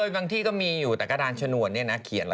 บางที่ก็มีอยู่แต่กระดานชะนวนเนี่ยนะ